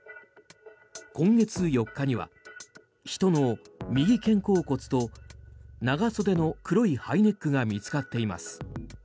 今月４日には人の右肩甲骨と長袖の黒いハイネックが見つかっています。